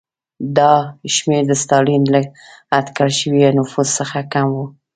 دا شمېر د ستالین له اټکل شوي نفوس څخه کم و.